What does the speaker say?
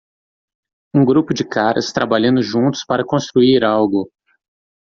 Um grupo de caras trabalhando juntos para construir algo